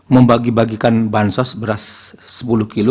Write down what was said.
membagi bagikan bansos beras sepuluh kilo